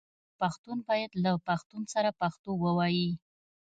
پښتون باید له پښتون سره پښتو ووايي